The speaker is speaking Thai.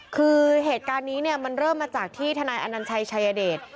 คือเหตุการณ์นี้เนี่ยมันเริ่มมาจากที่ทนายอนัญชัยชายเดช